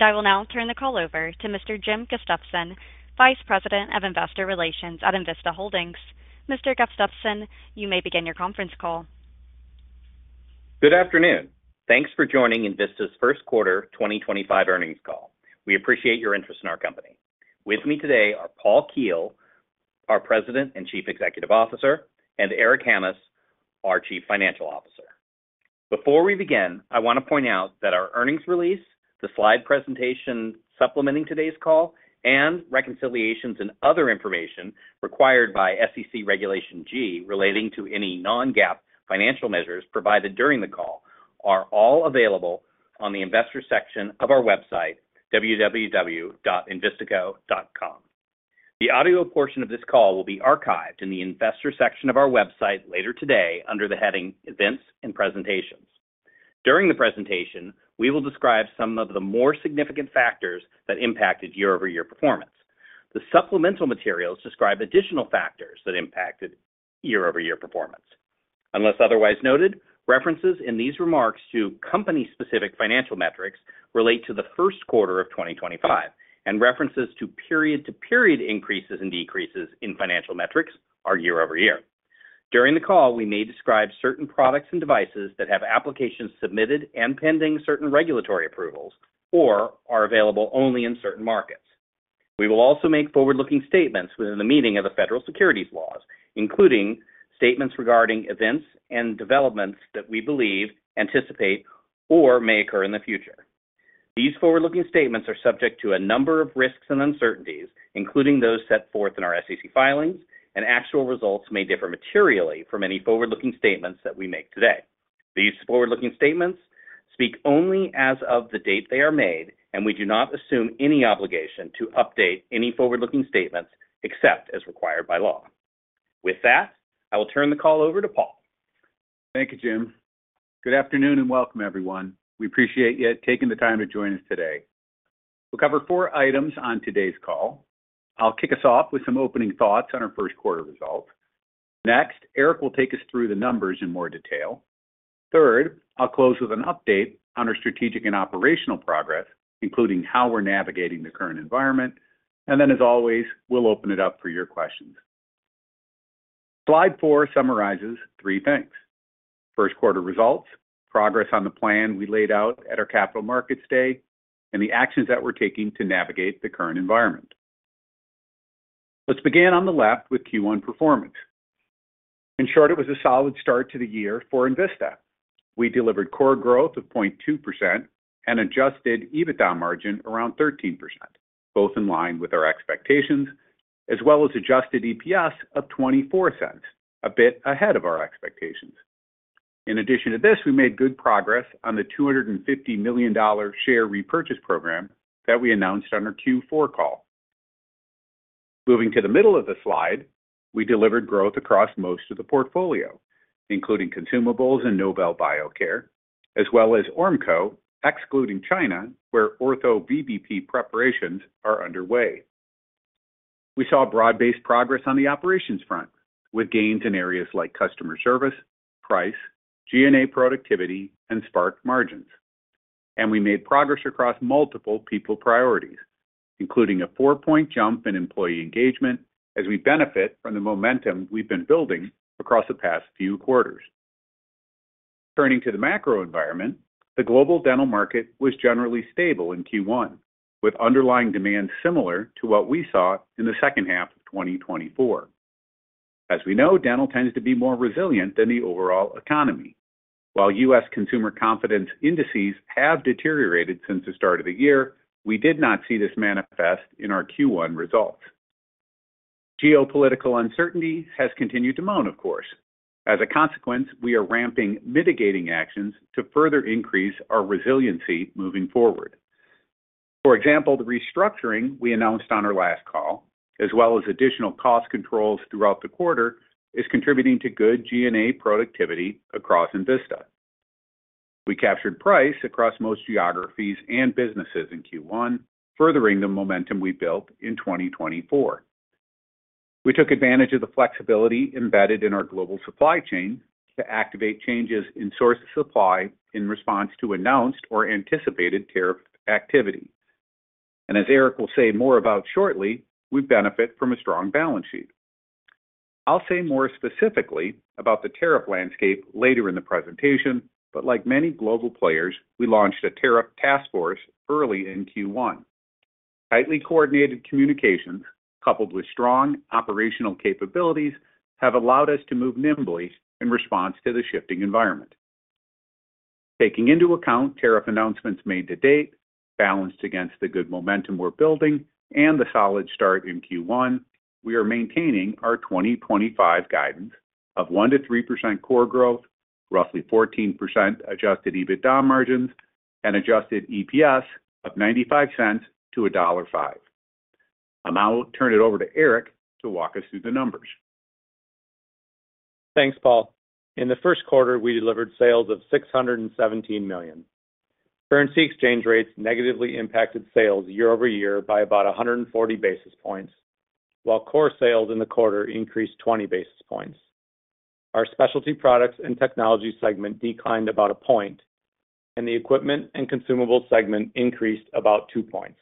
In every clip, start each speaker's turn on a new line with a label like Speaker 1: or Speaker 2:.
Speaker 1: I will now turn the call over to Mr. Jim Gustafson, Vice President of Investor Relations at Envista Holdings Corporation. Mr. Gustafson, you may begin your conference call.
Speaker 2: Good afternoon. Thanks for joining Envista's first quarter 2025 earnings call. We appreciate your interest in our company. With me today are Paul Keel, our President and Chief Executive Officer, and Eric Hammes, our Chief Financial Officer. Before we begin, I want to point out that our earnings release, the slide presentation supplementing today's call, and reconciliations and other information required by SEC Regulation G relating to any non-GAAP financial measures provided during the call are all available on the investor section of our website, www.envistaco.com. The audio portion of this call will be archived in the investor section of our website later today under the heading "Events and Presentations." During the presentation, we will describe some of the more significant factors that impacted year-over-year performance. The supplemental materials describe additional factors that impacted year-over-year performance. Unless otherwise noted, references in these remarks to company-specific financial metrics relate to the first quarter of 2025, and references to period-to-period increases and decreases in financial metrics are year-over-year. During the call, we may describe certain products and devices that have applications submitted and pending certain regulatory approvals or are available only in certain markets. We will also make forward-looking statements within the meaning of the federal securities laws, including statements regarding events and developments that we believe, anticipate, or may occur in the future. These forward-looking statements are subject to a number of risks and uncertainties, including those set forth in our SEC filings, and actual results may differ materially from any forward-looking statements that we make today. These forward-looking statements speak only as of the date they are made, and we do not assume any obligation to update any forward-looking statements except as required by law. With that, I will turn the call over to Paul.
Speaker 3: Thank you, Jim. Good afternoon and welcome, everyone. We appreciate you taking the time to join us today. We will cover four items on today's call. I will kick us off with some opening thoughts on our first quarter results. Next, Eric will take us through the numbers in more detail. Third, I will close with an update on our strategic and operational progress, including how we are navigating the current environment. As always, we will open it up for your questions. Slide four summarizes three things: first quarter results, progress on the plan we laid out at our Capital Markets Day, and the actions that we are taking to navigate the current environment. Let's begin on the left with Q1 performance. In short, it was a solid start to the year for Envista. We delivered core growth of 0.2% and adjusted EBITDA margin around 13%, both in line with our expectations, as well as adjusted EPS of $0.24, a bit ahead of our expectations. In addition to this, we made good progress on the $250 million share repurchase program that we announced on our Q4 call. Moving to the middle of the slide, we delivered growth across most of the portfolio, including consumables and Nobel Biocare, as well as Ormco, excluding China, where ortho VBP preparations are underway. We saw broad-based progress on the operations front, with gains in areas like customer service, price, G&A productivity, and Spark margins. We made progress across multiple people priorities, including a four-point jump in employee engagement, as we benefit from the momentum we've been building across the past few quarters. Turning to the macro environment, the global dental market was generally stable in Q1, with underlying demand similar to what we saw in the second half of 2024. As we know, dental tends to be more resilient than the overall economy. While U.S. consumer confidence indices have deteriorated since the start of the year, we did not see this manifest in our Q1 results. Geopolitical uncertainty has continued to moan, of course. As a consequence, we are ramping mitigating actions to further increase our resiliency moving forward. For example, the restructuring we announced on our last call, as well as additional cost controls throughout the quarter, is contributing to good G&A productivity across Envista. We captured price across most geographies and businesses in Q1, furthering the momentum we built in 2024. We took advantage of the flexibility embedded in our global supply chain to activate changes in source supply in response to announced or anticipated tariff activity. As Eric will say more about shortly, we benefit from a strong balance sheet. I will say more specifically about the tariff landscape later in the presentation, but like many global players, we launched a tariff task force early in Q1. Tightly coordinated communications, coupled with strong operational capabilities, have allowed us to move nimbly in response to the shifting environment. Taking into account tariff announcements made to date, balanced against the good momentum we are building, and the solid start in Q1, we are maintaining our 2025 guidance of 1%-3% core growth, roughly 14% adjusted EBITDA margins, and adjusted EPS of $0.95-$1.05. I will now turn it over to Eric to walk us through the numbers.
Speaker 4: Thanks, Paul. In the first quarter, we delivered sales of $617 million. Currency exchange rates negatively impacted sales year-over-year by about 140 basis points, while core sales in the quarter increased 20 basis points. Our specialty products and technology segment declined about a point, and the equipment and consumables segment increased about two points.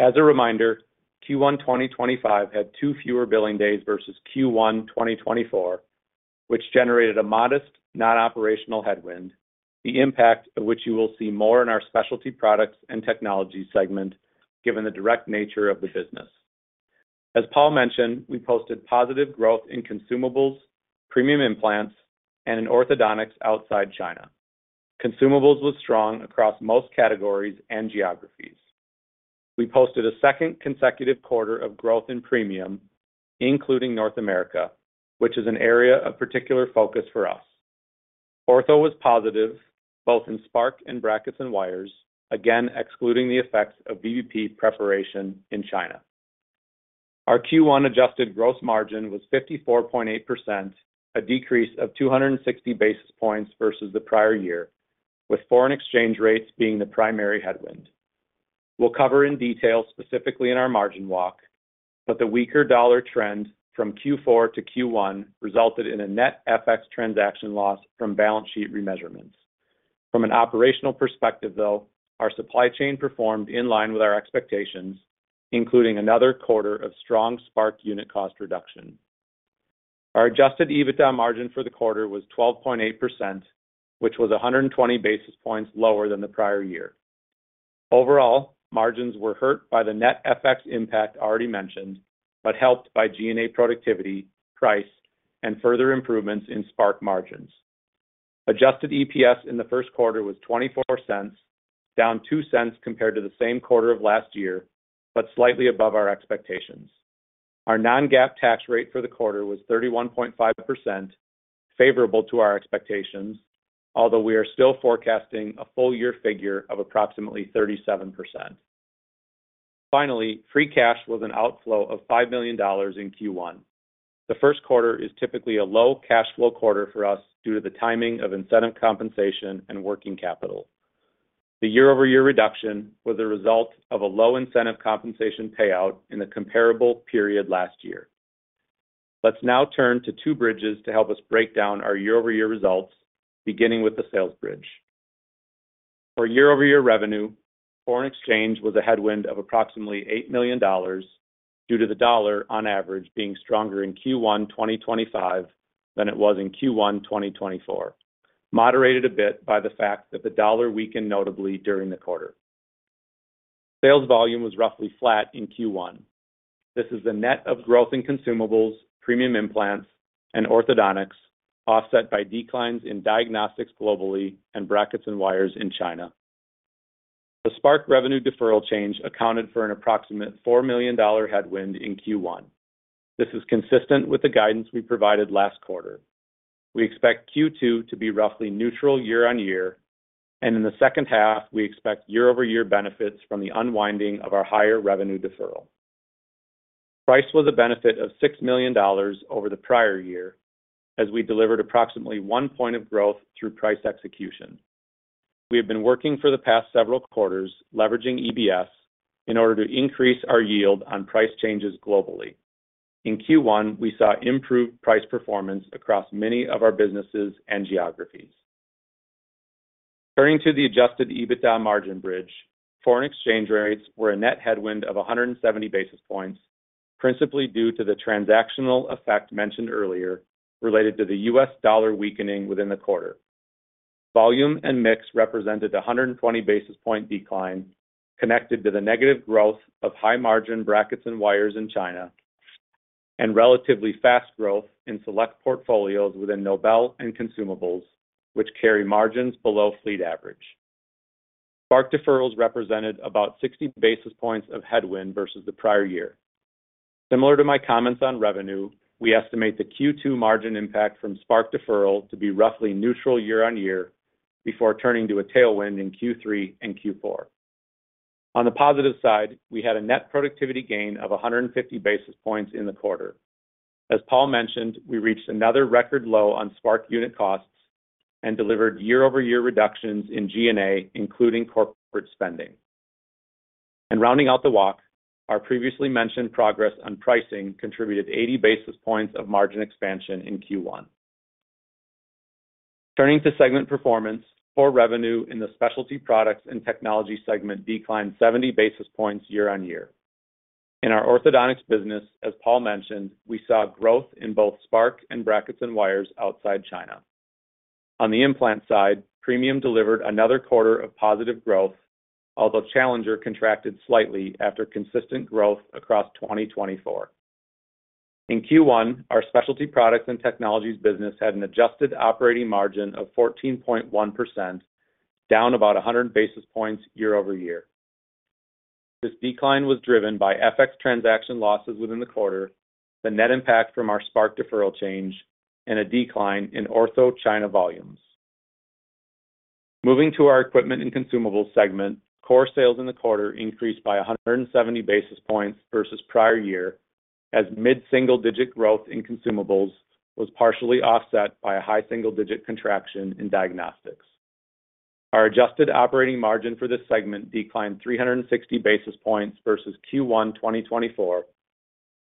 Speaker 4: As a reminder, Q1 2025 had two fewer billing days versus Q1 2024, which generated a modest non-operational headwind, the impact of which you will see more in our specialty products and technology segment, given the direct nature of the business. As Paul mentioned, we posted positive growth in consumables, premium implants, and in orthodontics outside China. Consumables was strong across most categories and geographies. We posted a second consecutive quarter of growth in premium, including North America, which is an area of particular focus for us. Ortho was positive, both in Spark and brackets and wires, again excluding the effects of VBP preparation in China. Our Q1 adjusted gross margin was 54.8%, a decrease of 260 basis points versus the prior year, with foreign exchange rates being the primary headwind. We will cover in detail specifically in our margin walk, but the weaker dollar trend from Q4 to Q1 resulted in a net FX transaction loss from balance sheet remeasurements. From an operational perspective, though, our supply chain performed in line with our expectations, including another quarter of strong Spark unit cost reduction. Our adjusted EBITDA margin for the quarter was 12.8%, which was 120 basis points lower than the prior year. Overall, margins were hurt by the net FX impact already mentioned, but helped by G&A productivity, price, and further improvements in Spark margins. Adjusted EPS in the first quarter was $0.24, down $0.02 compared to the same quarter of last year, but slightly above our expectations. Our non-GAAP tax rate for the quarter was 31.5%, favorable to our expectations, although we are still forecasting a full-year figure of approximately 37%. Finally, free cash was an outflow of $5 million in Q1. The first quarter is typically a low cash flow quarter for us due to the timing of incentive compensation and working capital. The year-over-year reduction was a result of a low incentive compensation payout in the comparable period last year. Let's now turn to two bridges to help us break down our year-over-year results, beginning with the sales bridge. For year-over-year revenue, foreign exchange was a headwind of approximately $8 million due to the dollar, on average, being stronger in Q1 2025 than it was in Q1 2024, moderated a bit by the fact that the dollar weakened notably during the quarter. Sales volume was roughly flat in Q1. This is the net of growth in consumables, premium implants, and orthodontics, offset by declines in diagnostics globally and brackets and wires in China. The Spark revenue deferral change accounted for an approximate $4 million headwind in Q1. This is consistent with the guidance we provided last quarter. We expect Q2 to be roughly neutral year-on-year, and in the second half, we expect year-over-year benefits from the unwinding of our higher revenue deferral. Price was a benefit of $6 million over the prior year, as we delivered approximately one point of growth through price execution. We have been working for the past several quarters, leveraging EBS in order to increase our yield on price changes globally. In Q1, we saw improved price performance across many of our businesses and geographies. Turning to the adjusted EBITDA margin bridge, foreign exchange rates were a net headwind of 170 basis points, principally due to the transactional effect mentioned earlier related to the U.S. dollar weakening within the quarter. Volume and mix represented a 120 basis point decline, connected to the negative growth of high margin brackets and wires in China and relatively fast growth in select portfolios within Nobel and consumables, which carry margins below fleet average. Spark deferrals represented about 60 basis points of headwind versus the prior year. Similar to my comments on revenue, we estimate the Q2 margin impact from Spark deferral to be roughly neutral year-on-year before turning to a tailwind in Q3 and Q4. On the positive side, we had a net productivity gain of 150 basis points in the quarter. As Paul mentioned, we reached another record low on Spark unit costs and delivered year-over-year reductions in G&A, including corporate spending. Rounding out the walk, our previously mentioned progress on pricing contributed 80 basis points of margin expansion in Q1. Turning to segment performance, core revenue in the specialty products and technology segment declined 70 basis points year-on-year. In our orthodontics business, as Paul mentioned, we saw growth in both Spark and brackets and wires outside China. On the implant side, Premium delivered another quarter of positive growth, although Challenger contracted slightly after consistent growth across 2024. In Q1, our specialty products and technologies business had an adjusted operating margin of 14.1%, down about 100 basis points year-over-year. This decline was driven by FX transaction losses within the quarter, the net impact from our Spark deferral change, and a decline in ortho China volumes. Moving to our equipment and consumables segment, core sales in the quarter increased by 170 basis points versus prior year, as mid-single-digit growth in consumables was partially offset by a high single-digit contraction in diagnostics. Our adjusted operating margin for this segment declined 360 basis points versus Q1 2024,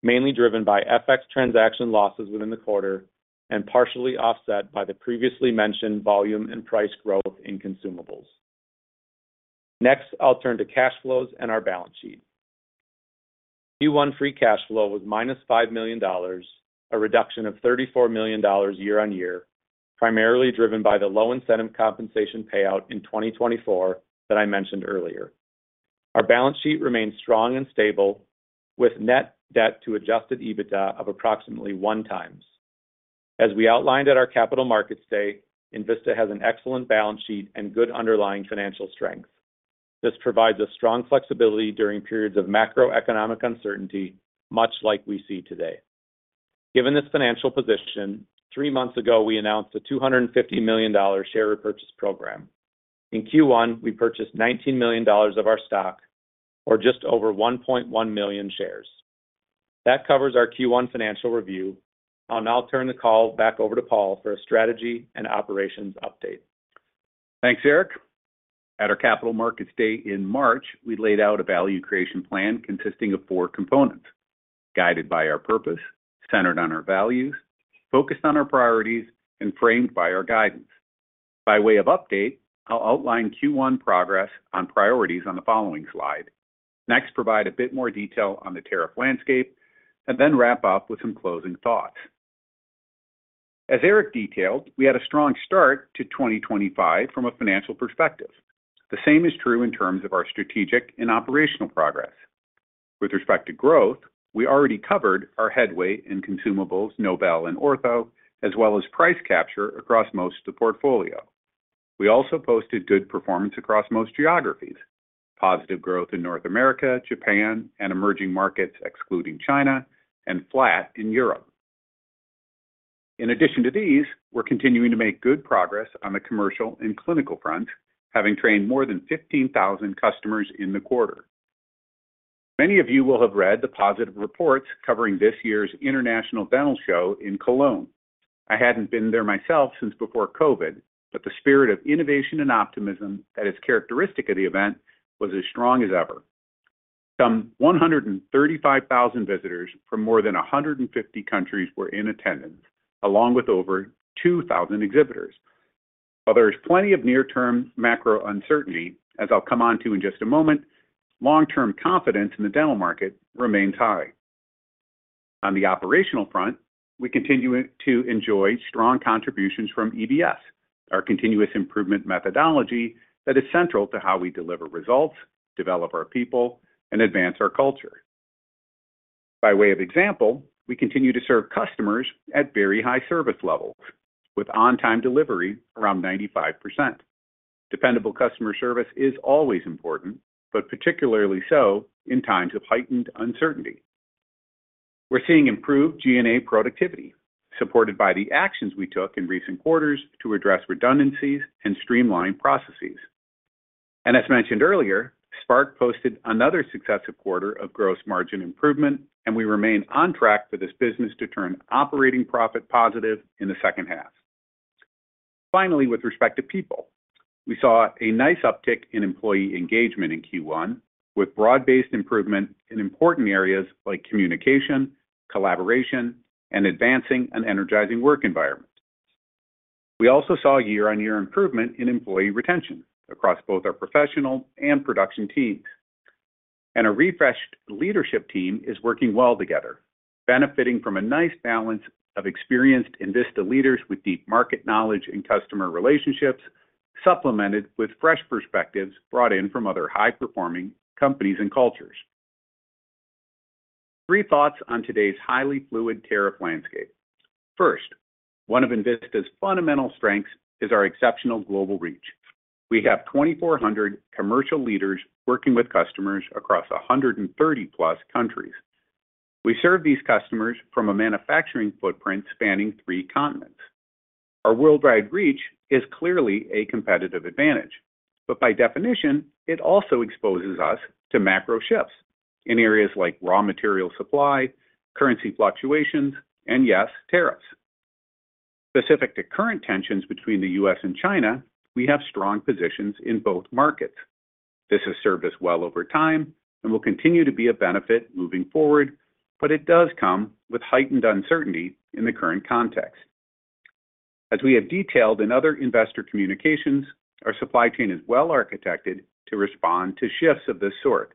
Speaker 4: mainly driven by FX transaction losses within the quarter and partially offset by the previously mentioned volume and price growth in consumables. Next, I'll turn to cash flows and our balance sheet. Q1 free cash flow was -$5 million, a reduction of $34 million year-on-year, primarily driven by the low incentive compensation payout in 2024 that I mentioned earlier. Our balance sheet remained strong and stable, with net debt to adjusted EBITDA of approximately one times. As we outlined at our Capital Markets Day, Envista has an excellent balance sheet and good underlying financial strength. This provides us strong flexibility during periods of macroeconomic uncertainty, much like we see today. Given this financial position, three months ago, we announced a $250 million share repurchase program. In Q1, we purchased $19 million of our stock, or just over 1.1 million shares. That covers our Q1 financial review. I'll now turn the call back over to Paul for a strategy and operations update.
Speaker 3: Thanks, Eric. At our Capital Markets Day in March, we laid out a value creation plan consisting of four components, guided by our purpose, centered on our values, focused on our priorities, and framed by our guidance. By way of update, I'll outline Q1 progress on priorities on the following slide, next provide a bit more detail on the tariff landscape, and then wrap up with some closing thoughts. As Eric detailed, we had a strong start to 2025 from a financial perspective. The same is true in terms of our strategic and operational progress. With respect to growth, we already covered our headway in consumables, Nobel, and ortho, as well as price capture across most of the portfolio. We also posted good performance across most geographies, positive growth in North America, Japan, and emerging markets, excluding China, and flat in Europe. In addition to these, we're continuing to make good progress on the commercial and clinical front, having trained more than 15,000 customers in the quarter. Many of you will have read the positive reports covering this year's International Dental Show in Cologne. I hadn't been there myself since before COVID, but the spirit of innovation and optimism that is characteristic of the event was as strong as ever. Some 135,000 visitors from more than 150 countries were in attendance, along with over 2,000 exhibitors. While there is plenty of near-term macro uncertainty, as I'll come on to in just a moment, long-term confidence in the dental market remains high. On the operational front, we continue to enjoy strong contributions from EBS, our continuous improvement methodology that is central to how we deliver results, develop our people, and advance our culture. By way of example, we continue to serve customers at very high service levels, with on-time delivery around 95%. Dependable customer service is always important, particularly so in times of heightened uncertainty. We're seeing improved G&A productivity, supported by the actions we took in recent quarters to address redundancies and streamline processes. As mentioned earlier, Spark posted another successive quarter of gross margin improvement, and we remain on track for this business to turn operating profit positive in the second half. Finally, with respect to people, we saw a nice uptick in employee engagement in Q1, with broad-based improvement in important areas like communication, collaboration, and advancing an energizing work environment. We also saw year-on-year improvement in employee retention across both our professional and production teams. A refreshed leadership team is working well together, benefiting from a nice balance of experienced Envista leaders with deep market knowledge and customer relationships, supplemented with fresh perspectives brought in from other high-performing companies and cultures. Three thoughts on today's highly fluid tariff landscape. First, one of Envista's fundamental strengths is our exceptional global reach. We have 2,400 commercial leaders working with customers across 130+ countries. We serve these customers from a manufacturing footprint spanning three continents. Our worldwide reach is clearly a competitive advantage, but by definition, it also exposes us to macro shifts in areas like raw material supply, currency fluctuations, and yes, tariffs. Specific to current tensions between the U.S. and China, we have strong positions in both markets. This has served us well over time and will continue to be a benefit moving forward, but it does come with heightened uncertainty in the current context. As we have detailed in other investor communications, our supply chain is well-architected to respond to shifts of this sort.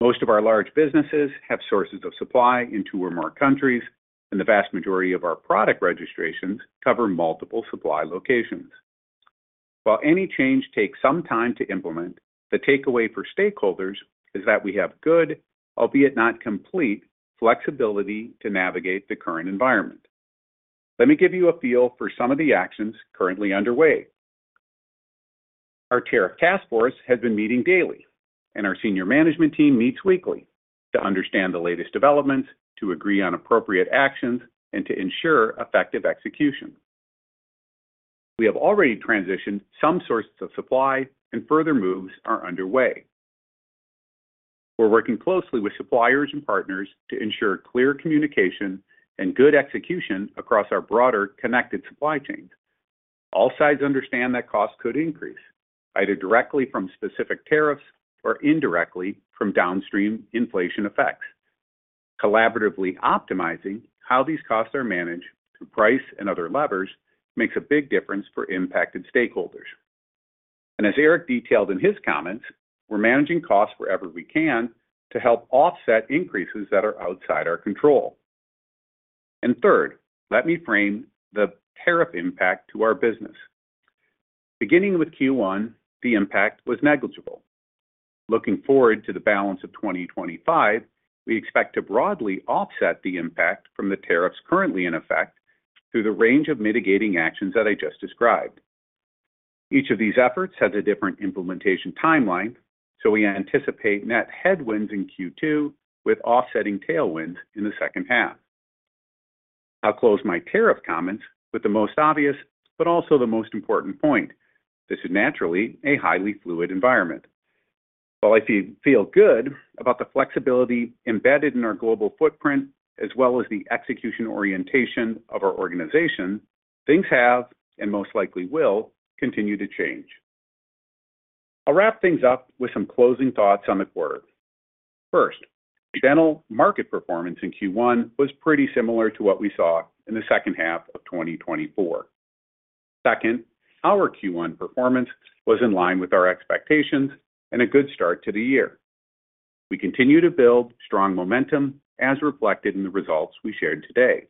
Speaker 3: Most of our large businesses have sources of supply in two or more countries, and the vast majority of our product registrations cover multiple supply locations. While any change takes some time to implement, the takeaway for stakeholders is that we have good, albeit not complete, flexibility to navigate the current environment. Let me give you a feel for some of the actions currently underway. Our tariff task force has been meeting daily, and our senior management team meets weekly to understand the latest developments, to agree on appropriate actions, and to ensure effective execution. We have already transitioned some sources of supply, and further moves are underway. We're working closely with suppliers and partners to ensure clear communication and good execution across our broader connected supply chains. All sides understand that costs could increase, either directly from specific tariffs or indirectly from downstream inflation effects. Collaboratively optimizing how these costs are managed through price and other levers makes a big difference for impacted stakeholders. As Eric detailed in his comments, we're managing costs wherever we can to help offset increases that are outside our control. Third, let me frame the tariff impact to our business. Beginning with Q1, the impact was negligible. Looking forward to the balance of 2025, we expect to broadly offset the impact from the tariffs currently in effect through the range of mitigating actions that I just described. Each of these efforts has a different implementation timeline, so we anticipate net headwinds in Q2 with offsetting tailwinds in the second half. I'll close my tariff comments with the most obvious, but also the most important point. This is naturally a highly fluid environment. While I feel good about the flexibility embedded in our global footprint, as well as the execution orientation of our organization, things have and most likely will continue to change. I'll wrap things up with some closing thoughts on the quarter. First, dental market performance in Q1 was pretty similar to what we saw in the second half of 2024. Second, our Q1 performance was in line with our expectations and a good start to the year. We continue to build strong momentum, as reflected in the results we shared today.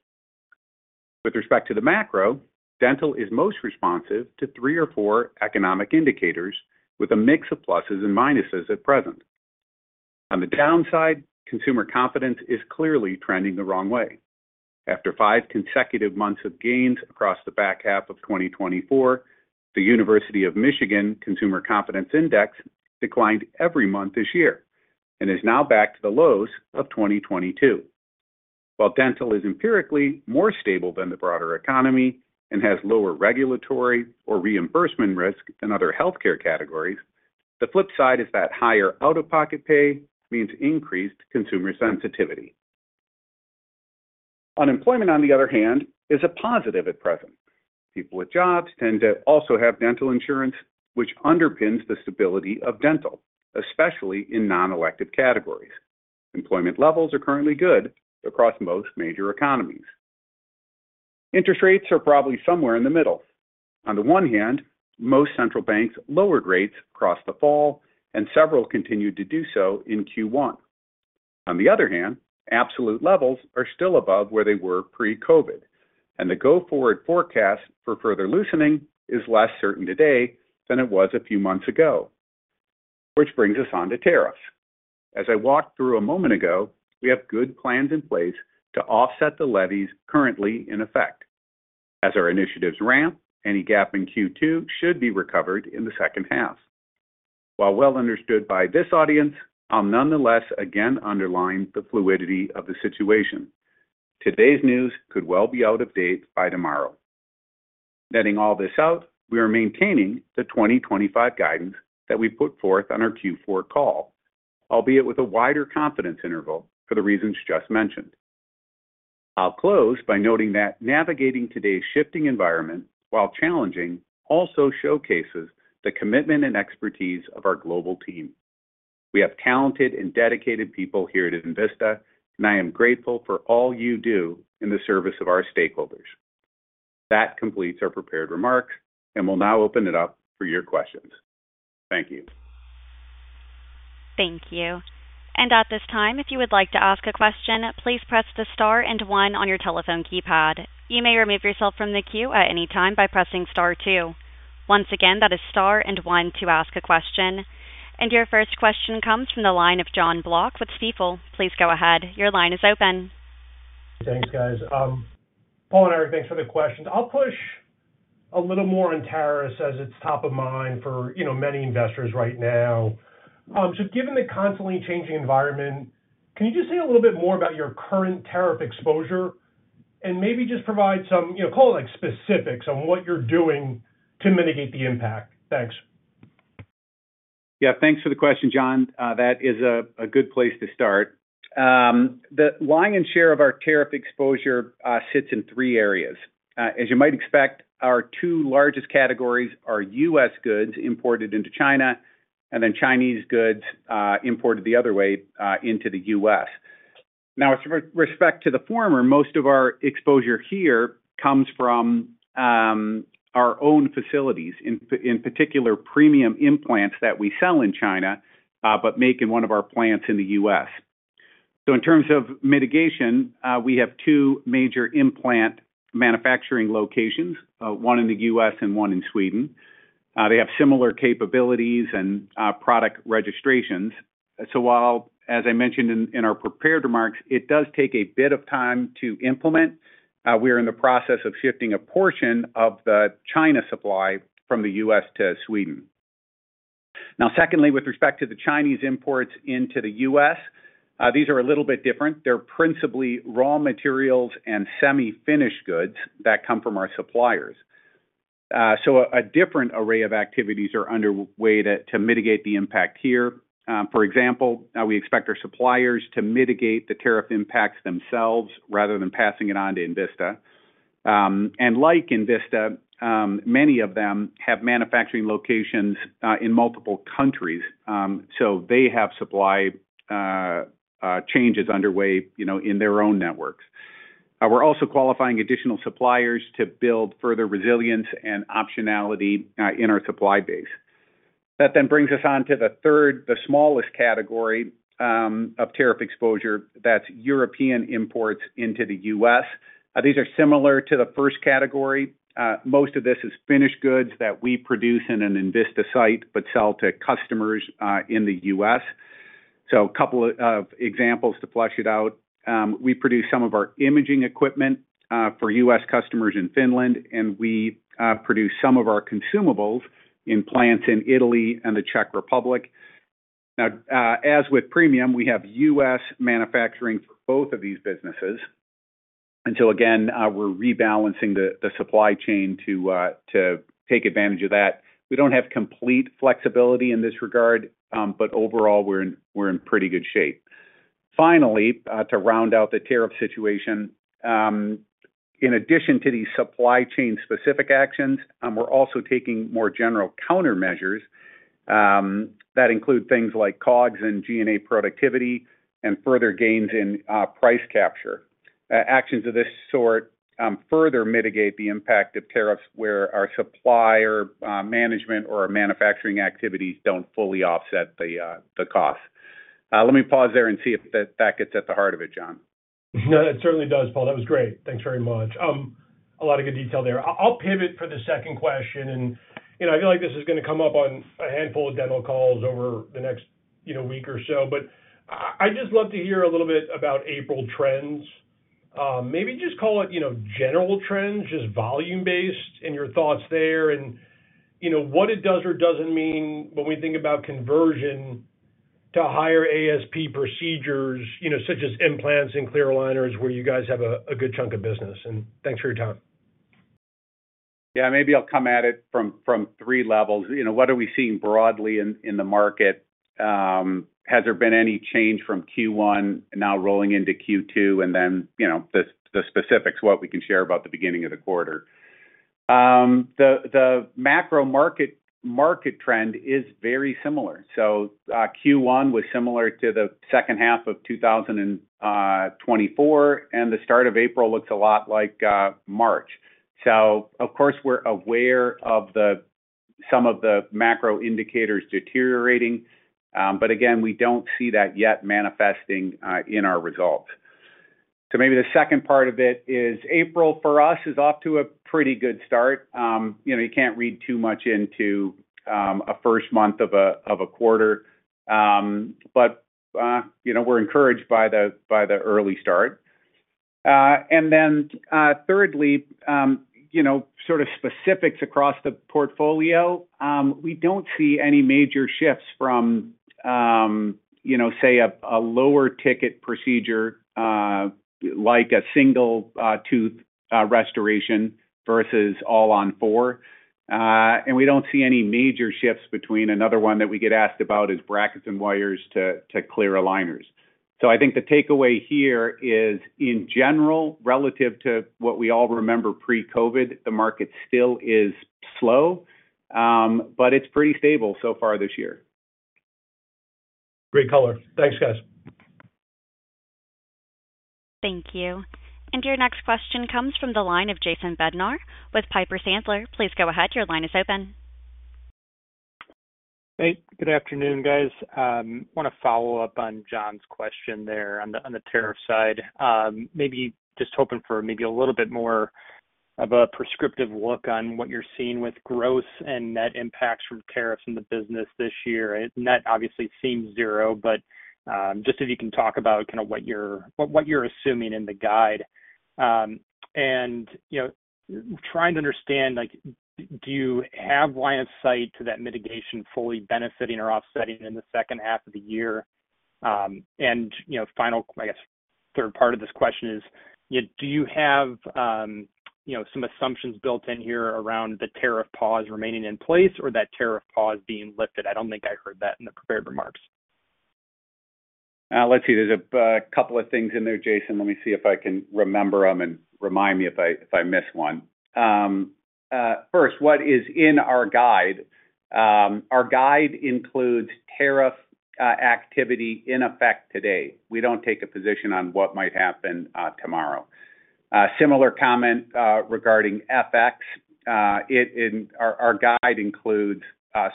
Speaker 3: With respect to the macro, dental is most responsive to three or four economic indicators, with a mix of pluses and minuses at present. On the downside, consumer confidence is clearly trending the wrong way. After five consecutive months of gains across the back half of 2024, the University of Michigan Consumer Confidence Index declined every month this year and is now back to the lows of 2022. While dental is empirically more stable than the broader economy and has lower regulatory or reimbursement risk than other healthcare categories, the flip side is that higher out-of-pocket pay means increased consumer sensitivity. Unemployment, on the other hand, is a positive at present. People with jobs tend to also have dental insurance, which underpins the stability of dental, especially in non-elective categories. Employment levels are currently good across most major economies. Interest rates are probably somewhere in the middle. On the one hand, most central banks lowered rates across the fall, and several continued to do so in Q1. On the other hand, absolute levels are still above where they were pre-COVID, and the go-forward forecast for further loosening is less certain today than it was a few months ago, which brings us on to tariffs. As I walked through a moment ago, we have good plans in place to offset the levies currently in effect. As our initiatives ramp, any gap in Q2 should be recovered in the second half. While well understood by this audience, I'll nonetheless again underline the fluidity of the situation. Today's news could well be out of date by tomorrow. Netting all this out, we are maintaining the 2025 guidance that we put forth on our Q4 call, albeit with a wider confidence interval for the reasons just mentioned. I'll close by noting that navigating today's shifting environment, while challenging, also showcases the commitment and expertise of our global team. We have talented and dedicated people here at Envista, and I am grateful for all you do in the service of our stakeholders. That completes our prepared remarks, and we will now open it up for your questions. Thank you.
Speaker 1: Thank you. At this time, if you would like to ask a question, please press the star and one on your telephone keypad. You may remove yourself from the queue at any time by pressing star two. Once again, that is star and one to ask a question. Your first question comes from the line of Jon Block with Stifel. Please go ahead. Your line is open.
Speaker 5: Thanks, guys. Paul and Eric, thanks for the questions. I'll push a little more on tariffs as it's top of mind for many investors right now. Given the constantly changing environment, can you just say a little bit more about your current tariff exposure and maybe just provide some, call it specifics on what you're doing to mitigate the impact? Thanks.
Speaker 3: Yeah, thanks for the question, Jon. That is a good place to start. The lion's share of our tariff exposure sits in three areas. As you might expect, our two largest categories are U.S. goods imported into China and then Chinese goods imported the other way into the U.S. Now, with respect to the former, most of our exposure here comes from our own facilities, in particular, premium implants that we sell in China but make in one of our plants in the U.S. In terms of mitigation, we have two major implant manufacturing locations, one in the U.S. and one in Sweden. They have similar capabilities and product registrations. While, as I mentioned in our prepared remarks, it does take a bit of time to implement, we are in the process of shifting a portion of the China supply from the U.S. to Sweden. Now, secondly, with respect to the Chinese imports into the U.S., these are a little bit different. They're principally raw materials and semi-finished goods that come from our suppliers. A different array of activities are underway to mitigate the impact here. For example, we expect our suppliers to mitigate the tariff impacts themselves rather than passing it on to Envista. Like Envista, many of them have manufacturing locations in multiple countries, so they have supply changes underway in their own networks. We're also qualifying additional suppliers to build further resilience and optionality in our supply base. That then brings us on to the third, the smallest category of tariff exposure. That's European imports into the U.S. These are similar to the first category. Most of this is finished goods that we produce in an Envista site but sell to customers in the U.S. A couple of examples to flesh it out. We produce some of our imaging equipment for U.S. customers in Finland, and we produce some of our consumables in plants in Italy and the Czech Republic. Now, as with premium, we have U.S. manufacturing for both of these businesses. Again, we're rebalancing the supply chain to take advantage of that. We don't have complete flexibility in this regard, but overall, we're in pretty good shape. Finally, to round out the tariff situation, in addition to these supply chain-specific actions, we're also taking more general countermeasures that include things like COGS and G&A productivity and further gains in price capture. Actions of this sort further mitigate the impact of tariffs where our supplier management or our manufacturing activities don't fully offset the costs. Let me pause there and see if that gets at the heart of it, Jon.
Speaker 5: No, it certainly does, Paul. That was great. Thanks very much. A lot of good detail there. I'll pivot for the second question, and I feel like this is going to come up on a handful of dental calls over the next week or so, but I'd just love to hear a little bit about April trends. Maybe just call it general trends, just volume-based in your thoughts there and what it does or doesn't mean when we think about conversion to higher ASP procedures such as implants and clear aligners where you guys have a good chunk of business. And thanks for your time.
Speaker 3: Yeah, maybe I'll come at it from three levels. What are we seeing broadly in the market? Has there been any change from Q1 now rolling into Q2 and then the specifics, what we can share about the beginning of the quarter? The macro market trend is very similar. Q1 was similar to the second half of 2024, and the start of April looks a lot like March. Of course, we're aware of some of the macro indicators deteriorating, but again, we don't see that yet manifesting in our results. Maybe the second part of it is April for us is off to a pretty good start. You can't read too much into a first month of a quarter, but we're encouraged by the early start. Thirdly, sort of specifics across the portfolio, we do not see any major shifts from, say, a lower ticket procedure like a single tooth restoration versus all-on-four. We do not see any major shifts between another one that we get asked about, which is brackets and wires to clear aligners. I think the takeaway here is, in general, relative to what we all remember pre-COVID, the market still is slow, but it is pretty stable so far this year.
Speaker 5: Great color. Thanks, guys.
Speaker 1: Thank you. Your next question comes from the line of Jason Bednar with Piper Sandler. Please go ahead. Your line is open.
Speaker 6: Hey, good afternoon, guys. I want to follow up on John's question there on the tariff side. Maybe just hoping for maybe a little bit more of a prescriptive look on what you're seeing with gross and net impacts from tariffs in the business this year. Net obviously seems zero, but just if you can talk about kind of what you're assuming in the guide. Trying to understand, do you have line of sight to that mitigation fully benefiting or offsetting in the second half of the year? Final, I guess, third part of this question is, do you have some assumptions built in here around the tariff pause remaining in place or that tariff pause being lifted? I do not think I heard that in the prepared remarks.
Speaker 3: Let's see. There's a couple of things in there, Jason. Let me see if I can remember them and remind me if I miss one. First, what is in our guide? Our guide includes tariff activity in effect today. We don't take a position on what might happen tomorrow. Similar comment regarding FX. Our guide includes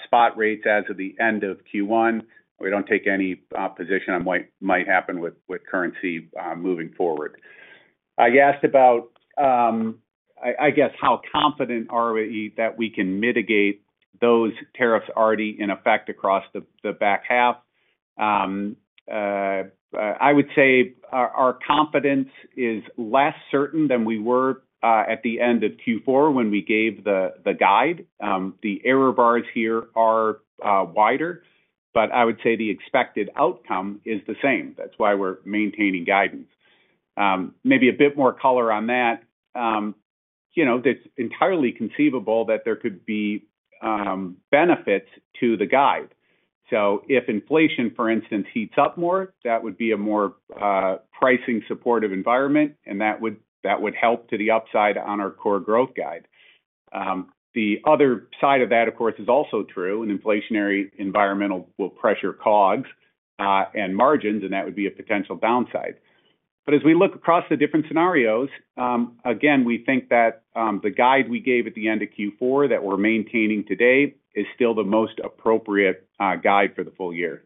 Speaker 3: spot rates as of the end of Q1. We don't take any position on what might happen with currency moving forward. You asked about, I guess, how confident are we that we can mitigate those tariffs already in effect across the back half. I would say our confidence is less certain than we were at the end of Q4 when we gave the guide. The error bars here are wider, but I would say the expected outcome is the same. That's why we're maintaining guidance. Maybe a bit more color on that. It's entirely conceivable that there could be benefits to the guide. If inflation, for instance, heats up more, that would be a more pricing supportive environment, and that would help to the upside on our core growth guide. The other side of that, of course, is also true. An inflationary environment will pressure COGS and margins, and that would be a potential downside. As we look across the different scenarios, again, we think that the guide we gave at the end of Q4 that we're maintaining today is still the most appropriate guide for the full year.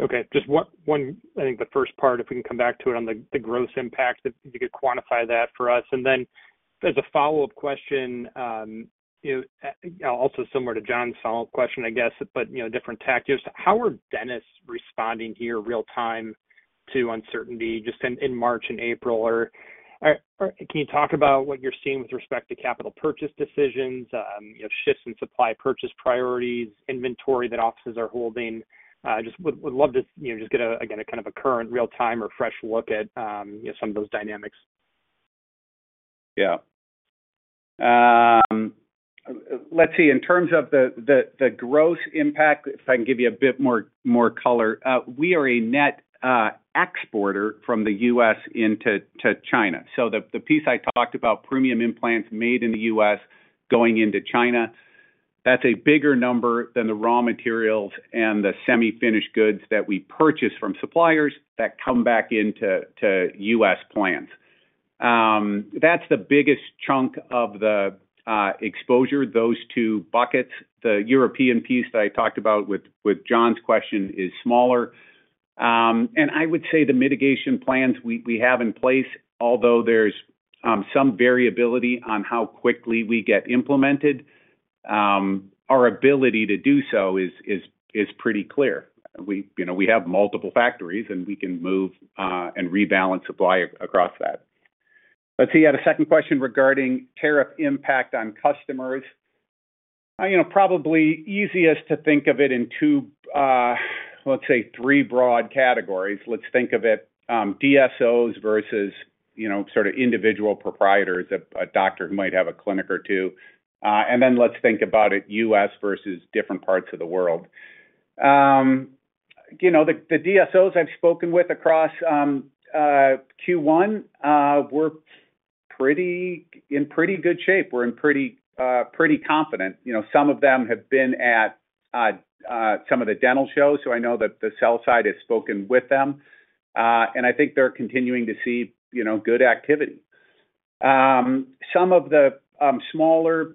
Speaker 6: Okay. Just one, I think the first part, if we can come back to it on the gross impact, if you could quantify that for us. As a follow-up question, also similar to Jon's follow-up question, I guess, but different tactics, how are dentists responding here real-time to uncertainty just in March and April? Can you talk about what you're seeing with respect to capital purchase decisions, shifts in supply purchase priorities, inventory that offices are holding? Just would love to just get again a kind of a current real-time or fresh look at some of those dynamics.
Speaker 3: Yeah. Let's see. In terms of the gross impact, if I can give you a bit more color, we are a net exporter from the U.S. into China. The piece I talked about, premium implants made in the U.S. going into China, that's a bigger number than the raw materials and the semi-finished goods that we purchase from suppliers that come back into U.S. plants. That's the biggest chunk of the exposure, those two buckets. The European piece that I talked about with Jon's question is smaller. I would say the mitigation plans we have in place, although there's some variability on how quickly we get implemented, our ability to do so is pretty clear. We have multiple factories, and we can move and rebalance supply across that. Let's see. You had a second question regarding tariff impact on customers. Probably easiest to think of it in two, let's say, three broad categories. Let's think of it DSOs versus sort of individual proprietors, a doctor who might have a clinic or two. Then let's think about it U.S. versus different parts of the world. The DSOs I've spoken with across Q1 were in pretty good shape. We're in pretty confident. Some of them have been at some of the dental shows, so I know that the sell side has spoken with them. I think they're continuing to see good activity. Some of the smaller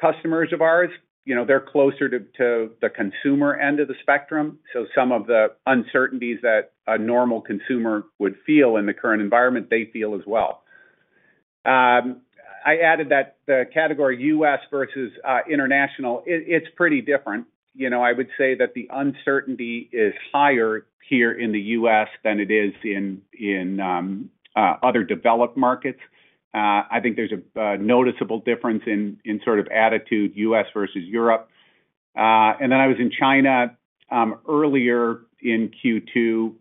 Speaker 3: customers of ours, they're closer to the consumer end of the spectrum. Some of the uncertainties that a normal consumer would feel in the current environment, they feel as well. I added that the category U.S. versus international, it's pretty different. I would say that the uncertainty is higher here in the U.S. than it is in other developed markets. I think there's a noticeable difference in sort of attitude U.S. versus Europe. I was in China earlier in Q2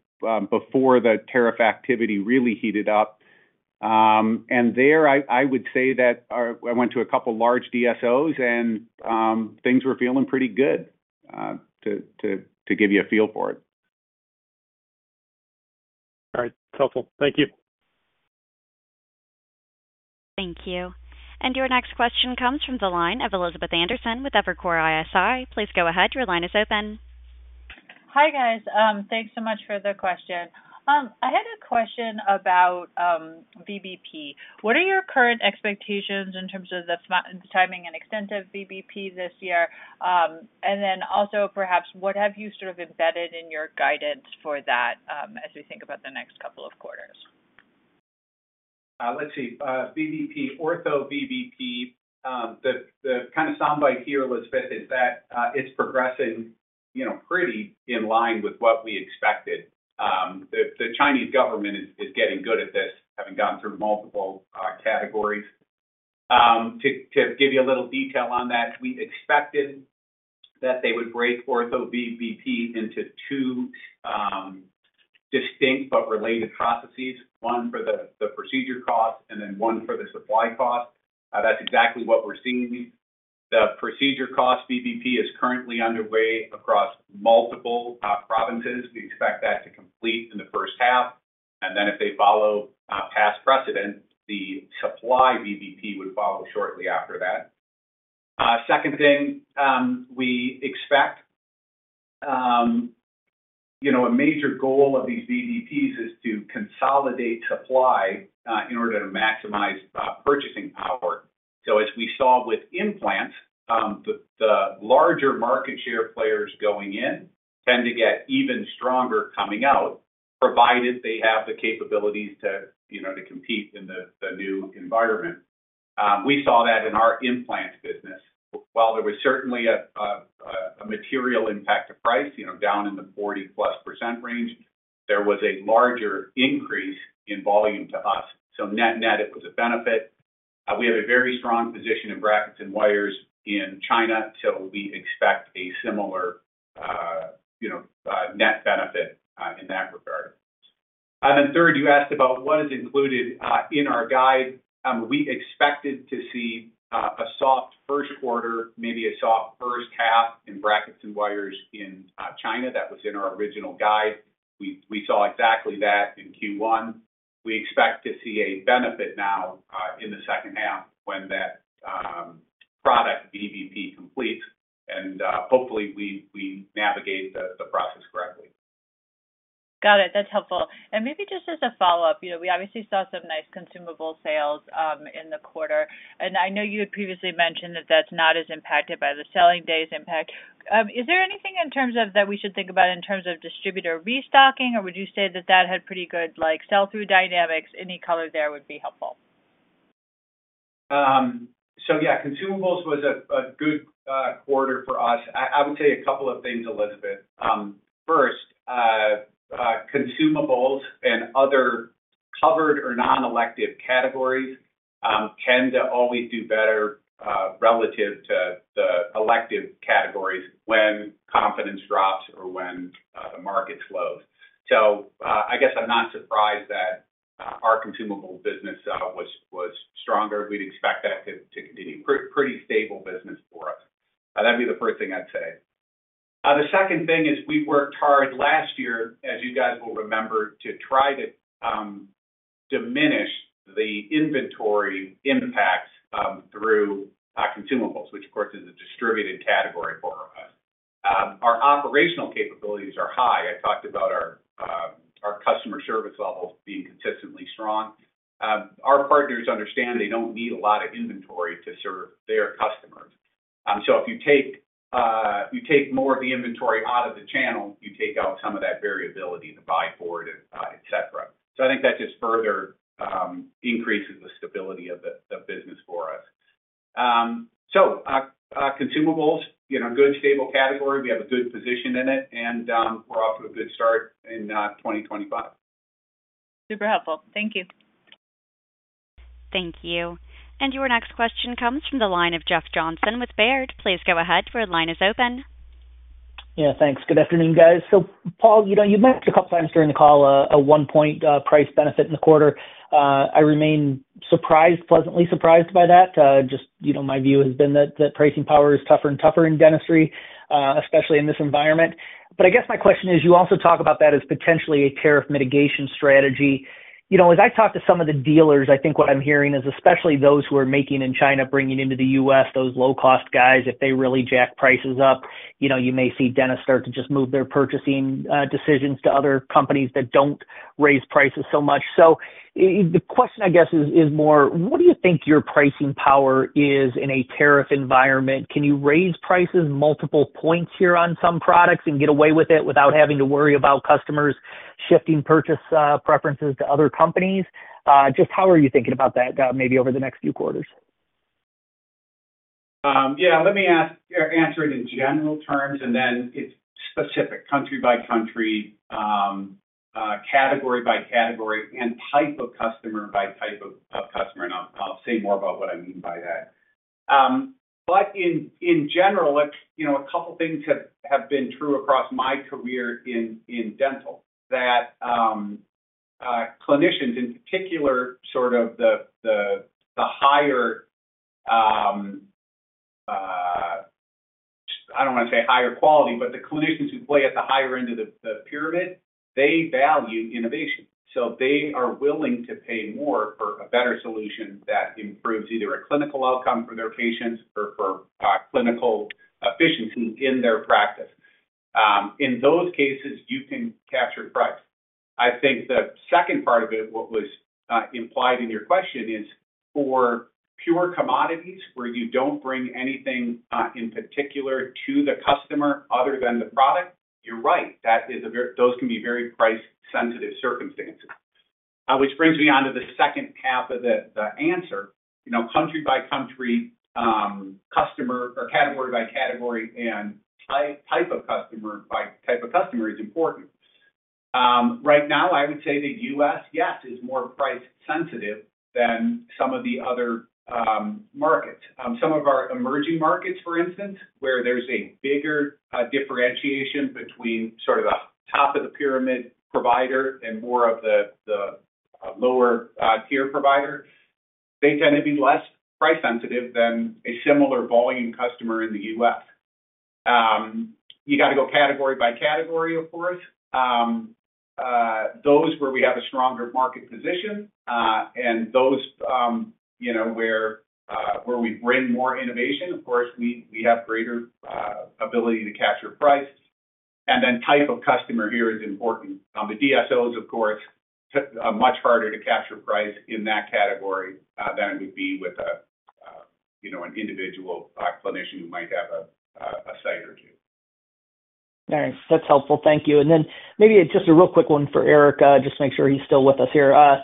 Speaker 3: before the tariff activity really heated up. There, I would say that I went to a couple of large DSOs, and things were feeling pretty good to give you a feel for it.
Speaker 6: All right. That's helpful. Thank you.
Speaker 1: Thank you. Your next question comes from the line of Elizabeth Anderson with Evercore ISI. Please go ahead. Your line is open.
Speaker 7: Hi guys. Thanks so much for the question. I had a question about VBP. What are your current expectations in terms of the timing and extent of VBP this year? Also, perhaps what have you sort of embedded in your guidance for that as we think about the next couple of quarters?
Speaker 3: Let's see. VBP, ortho VBP, the kind of soundbite here, Elizabeth, is that it's progressing pretty in line with what we expected. The Chinese government is getting good at this, having gone through multiple categories. To give you a little detail on that, we expected that they would break ortho VBP into two distinct but related processes, one for the procedure cost and then one for the supply cost. That's exactly what we're seeing. The procedure cost VBP is currently underway across multiple provinces. We expect that to complete in the first half. If they follow past precedent, the supply VBP would follow shortly after that. Second thing, we expect a major goal of these VBPs is to consolidate supply in order to maximize purchasing power. As we saw with implants, the larger market share players going in tend to get even stronger coming out, provided they have the capabilities to compete in the new environment. We saw that in our implant business. While there was certainly a material impact to price down in the 40%+ range, there was a larger increase in volume to us. Net-net, it was a benefit. We have a very strong position in brackets and wires in China, so we expect a similar net benefit in that regard. Third, you asked about what is included in our guide. We expected to see a soft first quarter, maybe a soft first half in brackets and wires in China. That was in our original guide. We saw exactly that in Q1. We expect to see a benefit now in the second half when that product VBP completes, and hopefully we navigate the process correctly.
Speaker 7: Got it. That's helpful. Maybe just as a follow-up, we obviously saw some nice consumable sales in the quarter. I know you had previously mentioned that that's not as impacted by the selling days impact. Is there anything in terms of that we should think about in terms of distributor restocking, or would you say that that had pretty good sell-through dynamics? Any color there would be helpful.
Speaker 3: Yeah, consumables was a good quarter for us. I would say a couple of things, Elizabeth. First, consumables and other covered or non-elective categories tend to always do better relative to the elective categories when confidence drops or when the market slows. I guess I'm not surprised that our consumable business was stronger. We'd expect that to continue, pretty stable business for us. That'd be the first thing I'd say. The second thing is we worked hard last year, as you guys will remember, to try to diminish the inventory impact through consumables, which of course is a distributed category for us. Our operational capabilities are high. I talked about our customer service levels being consistently strong. Our partners understand they don't need a lot of inventory to serve their customers. If you take more of the inventory out of the channel, you take out some of that variability to buy for it, etc. I think that just further increases the stability of the business for us. Consumables, good stable category. We have a good position in it, and we're off to a good start in 2025.
Speaker 7: Super helpful. Thank you.
Speaker 1: Thank you. Your next question comes from the line of Jeff Johnson with Baird. Please go ahead. The line is open.
Speaker 8: Yeah, thanks. Good afternoon, guys. Paul, you mentioned a couple of times during the call a one-point price benefit in the quarter. I remain pleasantly surprised by that. Just my view has been that pricing power is tougher and tougher in dentistry, especially in this environment. I guess my question is, you also talk about that as potentially a tariff mitigation strategy. As I talk to some of the dealers, I think what I'm hearing is especially those who are making in China, bringing into the U.S., those low-cost guys, if they really jack prices up, you may see dentists start to just move their purchasing decisions to other companies that do not raise prices so much. The question, I guess, is more, what do you think your pricing power is in a tariff environment? Can you raise prices multiple points here on some products and get away with it without having to worry about customers shifting purchase preferences to other companies? Just how are you thinking about that maybe over the next few quarters?
Speaker 3: Yeah. Let me answer it in general terms and then it's specific country by country, category by category, and type of customer by type of customer. I'll say more about what I mean by that. In general, a couple of things have been true across my career in dental that clinicians, in particular, sort of the higher—I don't want to say higher quality—but the clinicians who play at the higher end of the pyramid, they value innovation. They are willing to pay more for a better solution that improves either a clinical outcome for their patients or for clinical efficiency in their practice. In those cases, you can capture price. I think the second part of it, what was implied in your question, is for pure commodities where you don't bring anything in particular to the customer other than the product, you're right. Those can be very price-sensitive circumstances, which brings me on to the second half of the answer. Country by country, category by category, and type of customer by type of customer is important. Right now, I would say the U.S., yes, is more price-sensitive than some of the other markets. Some of our emerging markets, for instance, where there's a bigger differentiation between sort of the top of the pyramid provider and more of the lower-tier provider, they tend to be less price-sensitive than a similar volume customer in the U.S. You got to go category by category, of course. Those where we have a stronger market position and those where we bring more innovation, of course, we have greater ability to capture price. Then type of customer here is important. The DSOs, of course, are much harder to capture price in that category than it would be with an individual clinician who might have a site or two.
Speaker 8: Nice. That's helpful. Thank you. Maybe just a real quick one for Eric, just to make sure he's still with us here. I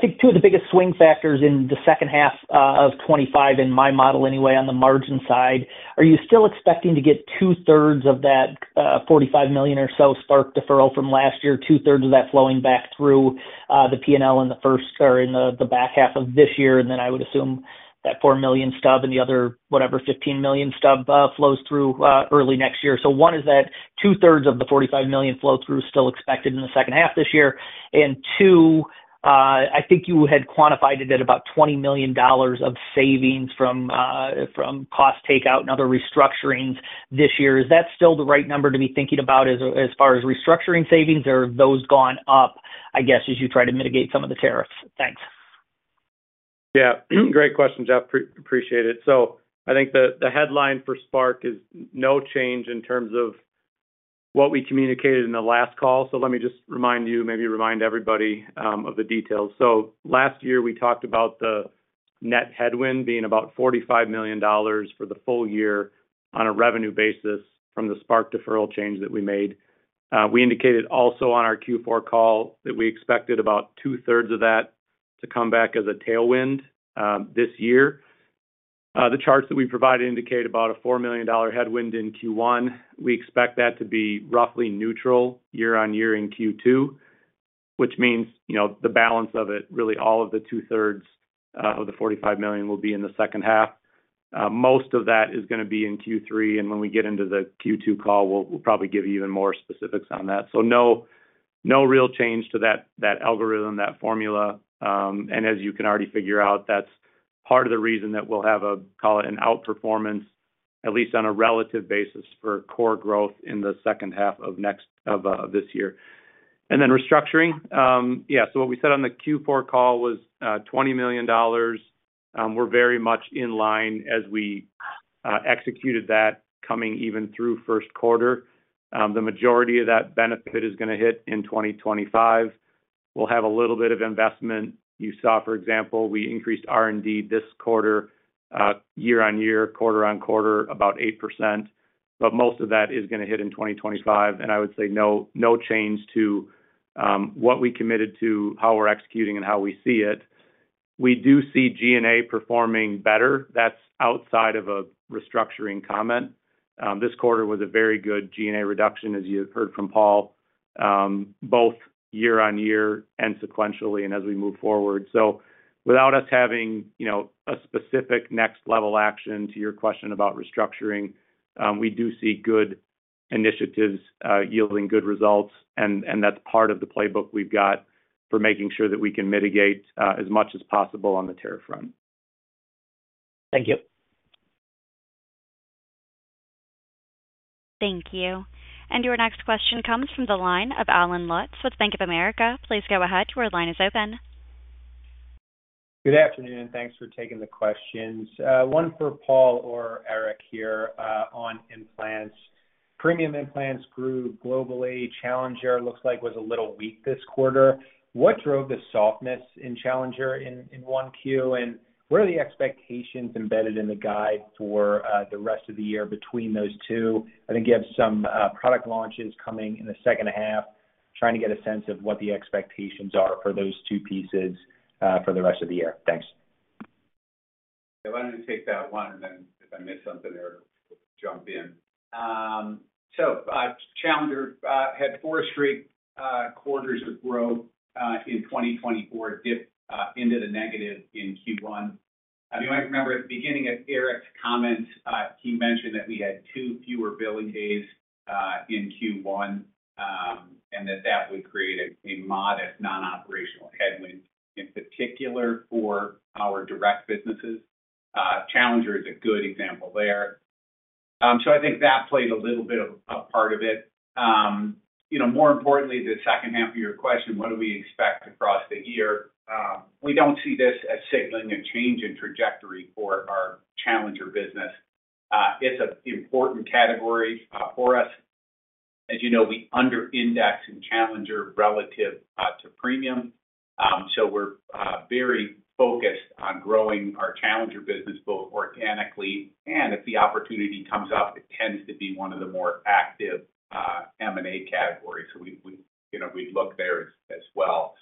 Speaker 8: think two of the biggest swing factors in the second half of 2025, in my model anyway, on the margin side, are you still expecting to get two-thirds of that $45 million or so Spark deferral from last year, two-thirds of that flowing back through the P&L in the first or in the back half of this year? I would assume that $4 million stub and the other, whatever, $15 million stub flows through early next year. One, is that two-thirds of the $45 million flow-through still expected in the second half this year? Two, I think you had quantified it at about $20 million of savings from cost takeout and other restructurings this year. Is that still the right number to be thinking about as far as restructuring savings, or have those gone up, I guess, as you try to mitigate some of the tariffs? Thanks.
Speaker 4: Yeah. Great question, Jeff. Appreciate it. I think the headline for Spark is no change in terms of what we communicated in the last call. Let me just remind you, maybe remind everybody of the details. Last year, we talked about the net headwind being about $45 million for the full year on a revenue basis from the Spark deferral change that we made. We indicated also on our Q4 call that we expected about two-thirds of that to come back as a tailwind this year. The charts that we provided indicate about a $4 million headwind in Q1. We expect that to be roughly neutral year-on-year in Q2, which means the balance of it, really all of the two-thirds of the $45 million, will be in the second half. Most of that is going to be in Q3. When we get into the Q2 call, we'll probably give you even more specifics on that. No real change to that algorithm, that formula. As you can already figure out, that's part of the reason that we'll have a, call it an outperformance, at least on a relative basis for core growth in the second half of this year. Restructuring, yeah. What we said on the Q4 call was $20 million. We're very much in line as we executed that coming even through first quarter. The majority of that benefit is going to hit in 2025. We'll have a little bit of investment. You saw, for example, we increased R&D this quarter year-on-year, quarter-on-quarter, about 8%. Most of that is going to hit in 2025. I would say no change to what we committed to, how we're executing, and how we see it. We do see G&A performing better. That's outside of a restructuring comment. This quarter was a very good G&A reduction, as you heard from Paul, both year-on-year and sequentially and as we move forward. Without us having a specific next-level action to your question about restructuring, we do see good initiatives yielding good results. That's part of the playbook we've got for making sure that we can mitigate as much as possible on the tariff front.
Speaker 8: Thank you.
Speaker 1: Thank you. Your next question comes from the line of Allen Lutz with Bank of America. Please go ahead. The line is open.
Speaker 9: Good afternoon. Thanks for taking the questions. One for Paul or Eric here on implants. Premium implants grew globally. Challenger looks like was a little weak this quarter. What drove the softness in Challenger in 1Q? What are the expectations embedded in the guide for the rest of the year between those two? I think you have some product launches coming in the second half. Trying to get a sense of what the expectations are for those two pieces for the rest of the year. Thanks.
Speaker 3: I wanted to take that one, and then if I missed something, Eric, jump in. Challenger had four straight quarters of growth in 2024, dipped into the negative in Q1. If you might remember at the beginning of Eric's comments, he mentioned that we had two fewer billing days in Q1 and that that would create a modest non-operational headwind, in particular for our direct businesses. Challenger is a good example there. I think that played a little bit of a part of it. More importantly, the second half of your question, what do we expect across the year? We do not see this as signaling a change in trajectory for our Challenger business. It is an important category for us. As you know, we underindex in Challenger relative to premium. We're very focused on growing our Challenger business both organically, and if the opportunity comes up, it tends to be one of the more active M&A categories. We'd look there as well.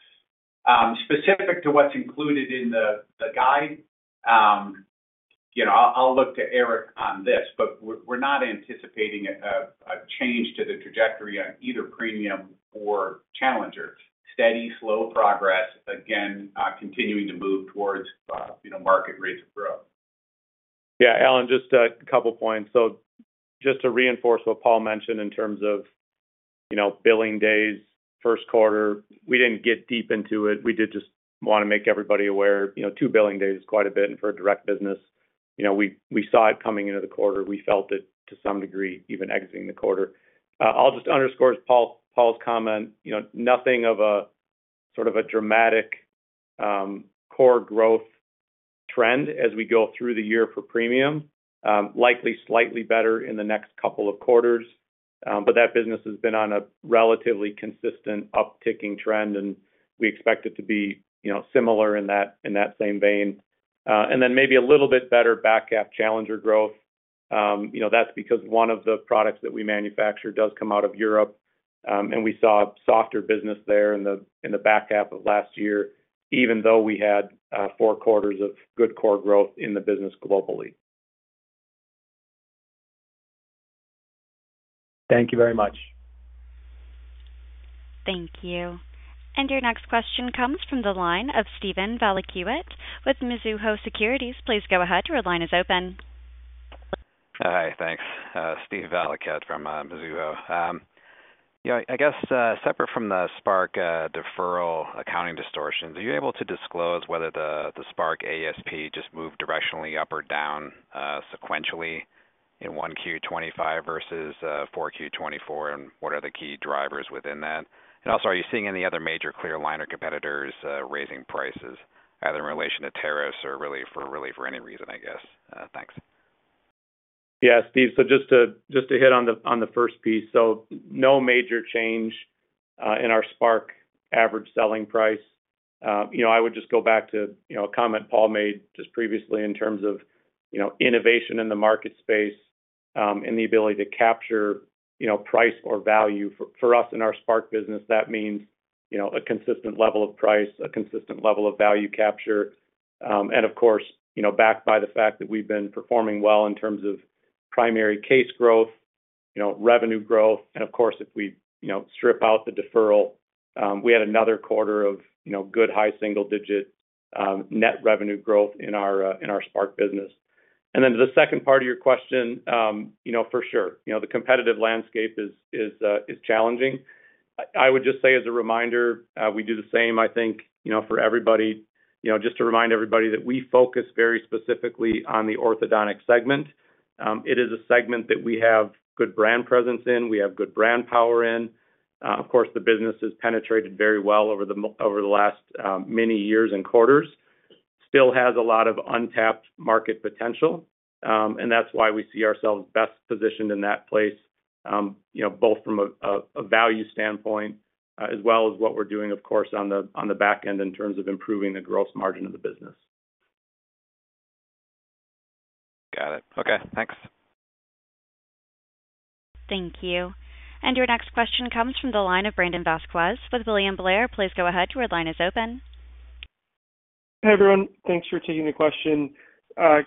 Speaker 3: Specific to what's included in the guide, I'll look to Eric on this, but we're not anticipating a change to the trajectory on either premium or Challenger. Steady, slow progress, again, continuing to move towards market rates of growth.
Speaker 4: Yeah. Alan, just a couple of points. Just to reinforce what Paul mentioned in terms of billing days first quarter, we did not get deep into it. We did just want to make everybody aware. Two billing days is quite a bit for a direct business. We saw it coming into the quarter. We felt it to some degree, even exiting the quarter. I'll just underscore Paul's comment. Nothing of a sort of a dramatic core growth trend as we go through the year for premium. Likely slightly better in the next couple of quarters. That business has been on a relatively consistent upticking trend, and we expect it to be similar in that same vein. Maybe a little bit better back half Challenger growth. That's because one of the products that we manufacture does come out of Europe, and we saw softer business there in the back half of last year, even though we had four quarters of good core growth in the business globally. Thank you very much.
Speaker 1: Thank you. Your next question comes from the line of Steven Valiquette with Mizuho Securities. Please go ahead. The line is open.
Speaker 10: Hi. Thanks. Steve Valiquette from Mizuho. I guess separate from the Spark deferral accounting distortions, are you able to disclose whether the Spark ASP just moved directionally up or down sequentially in 1Q 2025 versus 4Q 2024, and what are the key drivers within that? Also, are you seeing any other major clear aligner competitors raising prices either in relation to tariffs or really for relief or any reason, I guess? Thanks.
Speaker 4: Yeah, Steve. Just to hit on the first piece, no major change in our Spark average selling price. I would just go back to a comment Paul made just previously in terms of innovation in the market space and the ability to capture price or value. For us in our Spark business, that means a consistent level of price, a consistent level of value capture. Of course, backed by the fact that we've been performing well in terms of primary case growth, revenue growth, and if we strip out the deferral, we had another quarter of good high single-digit net revenue growth in our Spark business. The second part of your question, for sure, the competitive landscape is challenging. I would just say as a reminder, we do the same, I think, for everybody. Just to remind everybody that we focus very specifically on the orthodontic segment. It is a segment that we have good brand presence in. We have good brand power in. Of course, the business has penetrated very well over the last many years and quarters. Still has a lot of untapped market potential, and that's why we see ourselves best positioned in that place, both from a value standpoint as well as what we're doing, of course, on the back end in terms of improving the gross margin of the business.
Speaker 10: Got it. Okay. Thanks.
Speaker 1: Thank you. Your next question comes from the line of Brandon Vazquez with William Blair. Please go ahead. The line is open.
Speaker 11: Hey, everyone. Thanks for taking the question.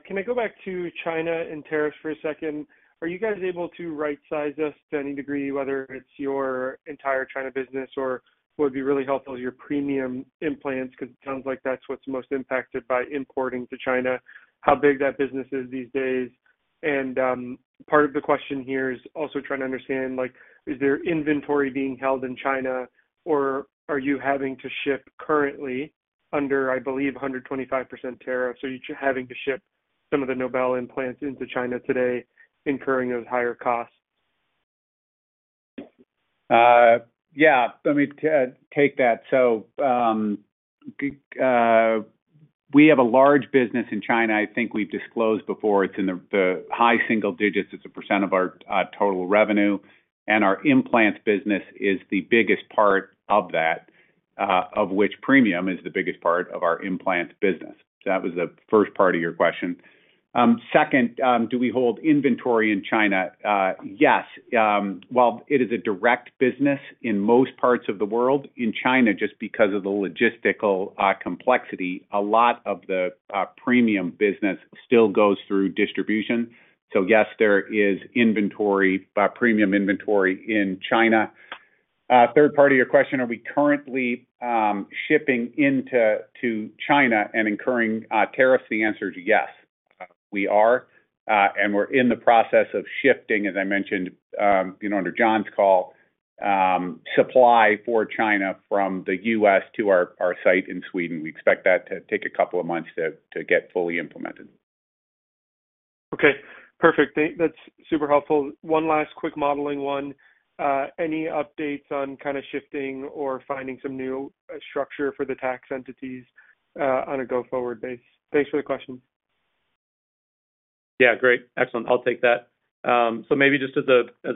Speaker 11: Can I go back to China and tariffs for a second? Are you guys able to right-size us to any degree, whether it's your entire China business or what would be really helpful is your premium implants? Because it sounds like that's what's most impacted by importing to China, how big that business is these days. Part of the question here is also trying to understand, is there inventory being held in China, or are you having to ship currently under, I believe, 125% tariff? You're having to ship some of the Nobel implants into China today, incurring those higher costs.
Speaker 3: Yeah. Let me take that. We have a large business in China. I think we've disclosed before. It's in the high single digits. It's a percent of our total revenue. Our implants business is the biggest part of that, of which premium is the biggest part of our implants business. That was the first part of your question. Second, do we hold inventory in China? Yes. While it is a direct business in most parts of the world, in China, just because of the logistical complexity, a lot of the premium business still goes through distribution. Yes, there is premium inventory in China. Third part of your question, are we currently shipping into China and incurring tariffs? The answer is yes, we are. We're in the process of shifting, as I mentioned, under John's call, supply for China from the U.S. to our site in Sweden. We expect that to take a couple of months to get fully implemented.
Speaker 11: Okay. Perfect. That's super helpful. One last quick modeling one. Any updates on kind of shifting or finding some new structure for the tax entities on a go-forward base? Thanks for the question.
Speaker 4: Yeah. Great. Excellent. I'll take that. Maybe just as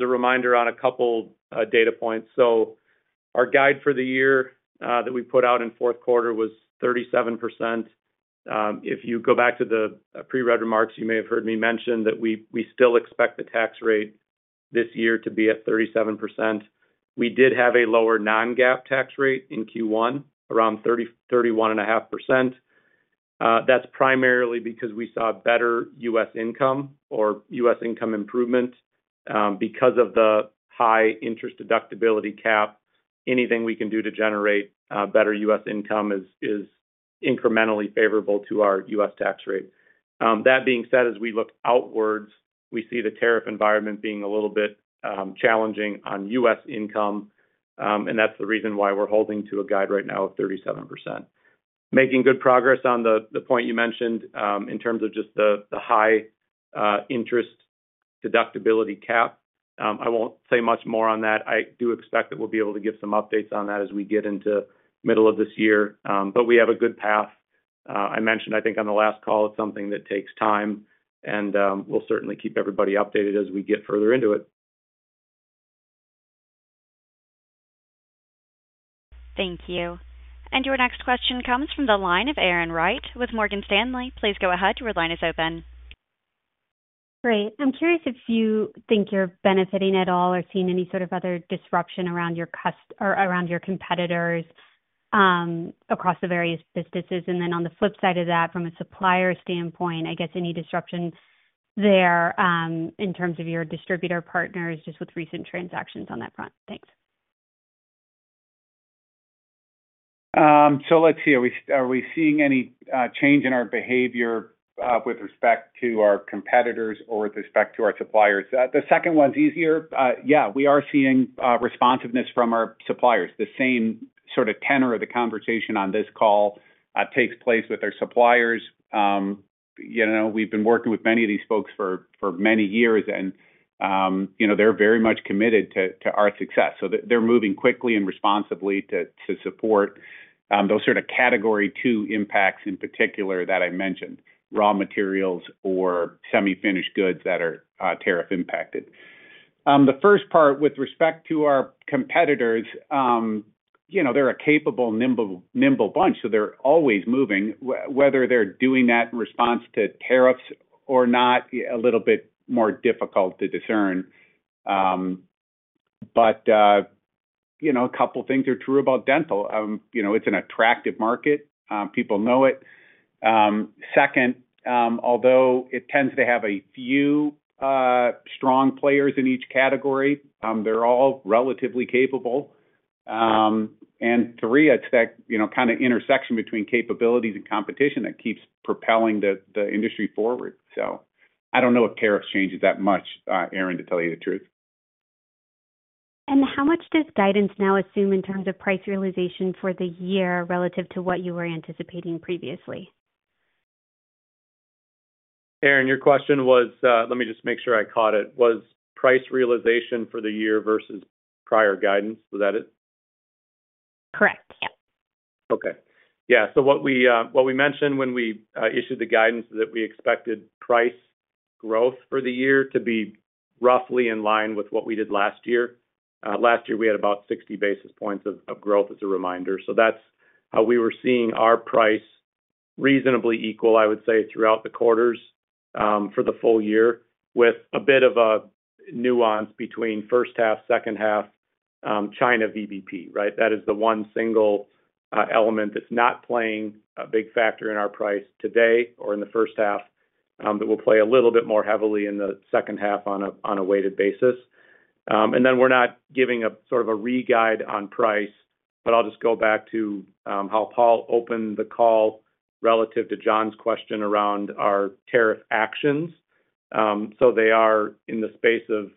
Speaker 4: a reminder on a couple of data points. Our guide for the year that we put out in fourth quarter was 37%. If you go back to the pre-read remarks, you may have heard me mention that we still expect the tax rate this year to be at 37%. We did have a lower non-GAAP tax rate in Q1, around 31.5%. That's primarily because we saw better U.S. income or U.S. income improvement because of the high interest deductibility cap. Anything we can do to generate better U.S. income is incrementally favorable to our U.S. tax rate. That being said, as we look outwards, we see the tariff environment being a little bit challenging on U.S. income. That's the reason why we're holding to a guide right now of 37%. Making good progress on the point you mentioned in terms of just the high interest deductibility cap. I won't say much more on that. I do expect that we'll be able to give some updates on that as we get into the middle of this year. We have a good path. I mentioned, I think, on the last call, it's something that takes time. We will certainly keep everybody updated as we get further into it.
Speaker 1: Thank you. Your next question comes from the line of Erin Wright with Morgan Stanley. Please go ahead. The line is open.
Speaker 12: Great. I'm curious if you think you're benefiting at all or seeing any sort of other disruption around your competitors across the various businesses. On the flip side of that, from a supplier standpoint, I guess any disruption there in terms of your distributor partners just with recent transactions on that front? Thanks.
Speaker 3: Let's see. Are we seeing any change in our behavior with respect to our competitors or with respect to our suppliers? The second one's easier. Yeah. We are seeing responsiveness from our suppliers. The same sort of tenor of the conversation on this call takes place with our suppliers. We've been working with many of these folks for many years, and they're very much committed to our success. They're moving quickly and responsibly to support those sort of category two impacts in particular that I mentioned, raw materials or semi-finished goods that are tariff impacted. The first part with respect to our competitors, they're a capable, nimble bunch. They're always moving. Whether they're doing that in response to tariffs or not, a little bit more difficult to discern. A couple of things are true about dental. It's an attractive market. People know it. Second, although it tends to have a few strong players in each category, they're all relatively capable. Three, it's that kind of intersection between capabilities and competition that keeps propelling the industry forward. I don't know if tariffs change that much, Erin, to tell you the truth.
Speaker 12: How much does guidance now assume in terms of price realization for the year relative to what you were anticipating previously?
Speaker 4: Erin, your question was, let me just make sure I caught it, was price realization for the year versus prior guidance. Was that it?
Speaker 12: Correct. Yeah.
Speaker 4: Okay. Yeah. What we mentioned when we issued the guidance is that we expected price growth for the year to be roughly in line with what we did last year. Last year, we had about 60 basis points of growth as a reminder. That is how we were seeing our price reasonably equal, I would say, throughout the quarters for the full year with a bit of a nuance between first half, second half, China VBP, right? That is the one single element that is not playing a big factor in our price today or in the first half that will play a little bit more heavily in the second half on a weighted basis. We are not giving a sort of a re-guide on price, but I will just go back to how Paul opened the call relative to John's question around our tariff actions. They are in the space of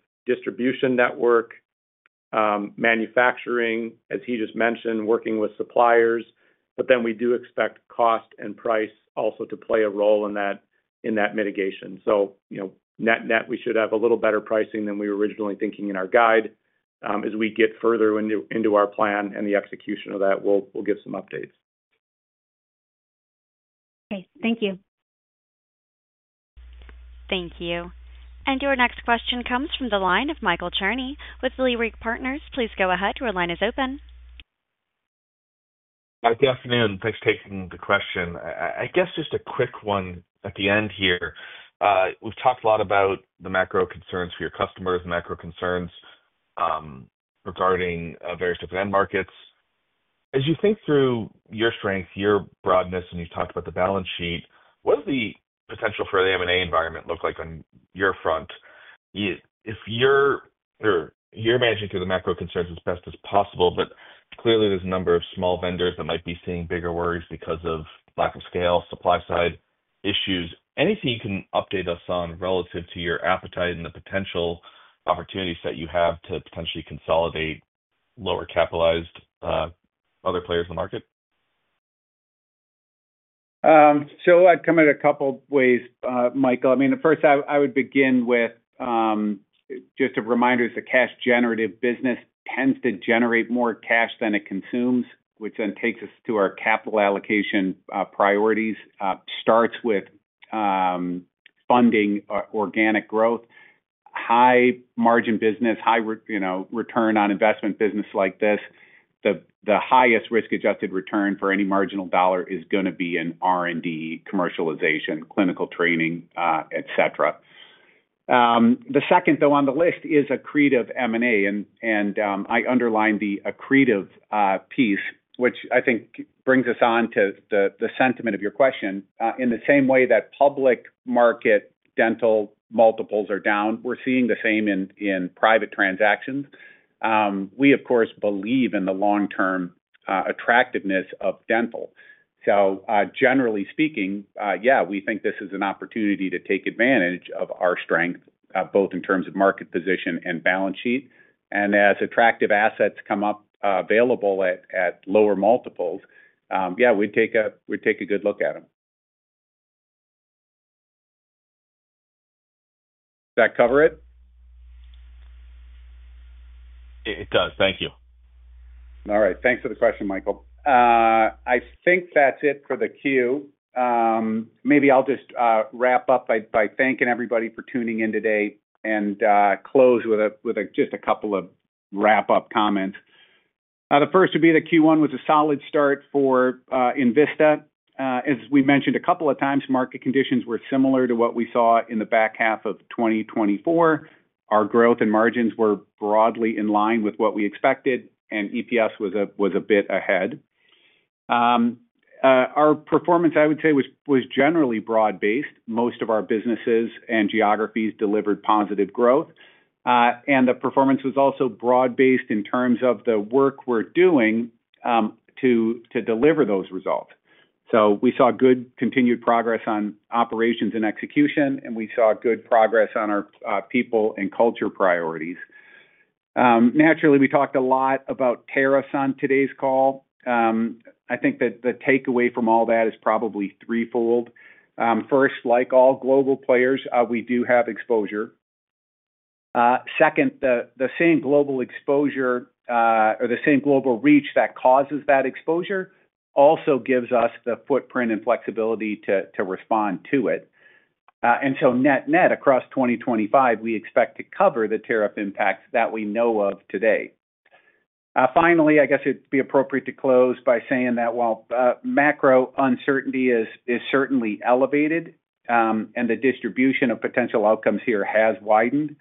Speaker 4: distribution network, manufacturing, as he just mentioned, working with suppliers. We do expect cost and price also to play a role in that mitigation. Net net, we should have a little better pricing than we were originally thinking in our guide. As we get further into our plan and the execution of that, we'll give some updates.
Speaker 12: Okay. Thank you.
Speaker 1: Thank you. Your next question comes from the line of Michael Cherny with Leerink Partners. Please go ahead. The line is open.
Speaker 13: Hi, good afternoon. Thanks for taking the question. I guess just a quick one at the end here. We've talked a lot about the macro concerns for your customers, macro concerns regarding various different end markets. As you think through your strengths, your broadness, and you've talked about the balance sheet, what does the potential for the M&A environment look like on your front? If you're managing through the macro concerns as best as possible, but clearly there's a number of small vendors that might be seeing bigger worries because of lack of scale, supply-side issues. Anything you can update us on relative to your appetite and the potential opportunities that you have to potentially consolidate lower-capitalized other players in the market?
Speaker 3: I'd come at it a couple of ways, Michael. I mean, first, I would begin with just a reminder that cash-generative business tends to generate more cash than it consumes, which then takes us to our capital allocation priorities. It starts with funding organic growth. High-margin business, high-return-on-investment business like this, the highest risk-adjusted return for any marginal dollar is going to be in R&D, commercialization, clinical training, etc. The second, though, on the list is accretive M&A. I underline the accretive piece, which I think brings us on to the sentiment of your question. In the same way that public market dental multiples are down, we're seeing the same in private transactions. We, of course, believe in the long-term attractiveness of dental. Generally speaking, yeah, we think this is an opportunity to take advantage of our strength, both in terms of market position and balance sheet. As attractive assets come up available at lower multiples, yeah, we'd take a good look at them. Does that cover it?
Speaker 13: It does. Thank you.
Speaker 3: All right. Thanks for the question, Michael. I think that's it for the Q. Maybe I'll just wrap up by thanking everybody for tuning in today and close with just a couple of wrap-up comments. The first would be that Q1 was a solid start for Envista. As we mentioned a couple of times, market conditions were similar to what we saw in the back half of 2024. Our growth and margins were broadly in line with what we expected, and EPS was a bit ahead. Our performance, I would say, was generally broad-based. Most of our businesses and geographies delivered positive growth. The performance was also broad-based in terms of the work we're doing to deliver those results. We saw good continued progress on operations and execution, and we saw good progress on our people and culture priorities. Naturally, we talked a lot about tariffs on today's call. I think that the takeaway from all that is probably threefold. First, like all global players, we do have exposure. Second, the same global exposure or the same global reach that causes that exposure also gives us the footprint and flexibility to respond to it. Net-net, across 2025, we expect to cover the tariff impacts that we know of today. Finally, I guess it'd be appropriate to close by saying that while macro uncertainty is certainly elevated and the distribution of potential outcomes here has widened,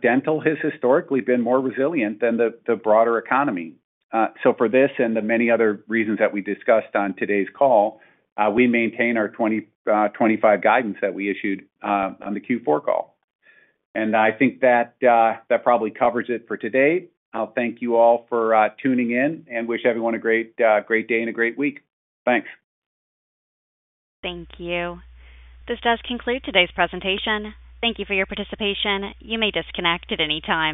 Speaker 3: dental has historically been more resilient than the broader economy. For this and the many other reasons that we discussed on today's call, we maintain our 2025 guidance that we issued on the Q4 call. I think that that probably covers it for today. I'll thank you all for tuning in and wish everyone a great day and a great week. Thanks.
Speaker 1: Thank you. This does conclude today's presentation. Thank you for your participation. You may disconnect at any time.